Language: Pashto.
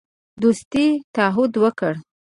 دوستی تعهد وکړ.